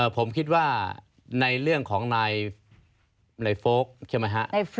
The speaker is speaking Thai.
ผมคิดว่าในเรื่องของนายโฟลกใช่ไหมฮะ